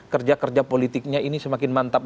kerja kerja politiknya ini semakin mantap